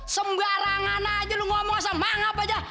sembarangan aja lo sekali lagi lo mangap lo